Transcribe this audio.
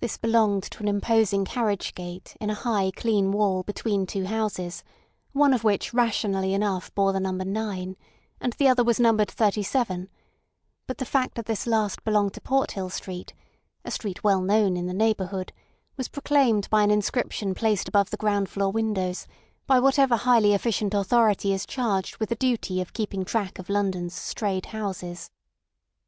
This belonged to an imposing carriage gate in a high, clean wall between two houses, of which one rationally enough bore the number 9 and the other was numbered 37; but the fact that this last belonged to Porthill Street, a street well known in the neighbourhood, was proclaimed by an inscription placed above the ground floor windows by whatever highly efficient authority is charged with the duty of keeping track of London's strayed houses.